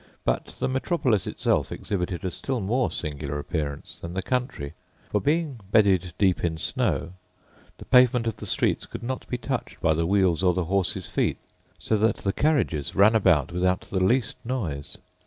But the metropolis itself exhibited a still more singular appearance than the country; for, being bedded deep in snow, the pavement of the streets could not be touched by the wheels or the horses' feet, so that the carriages ran about without the least noise.